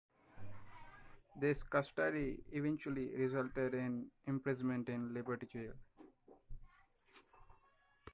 This "custody" eventually resulted in imprisonment in Liberty Jail.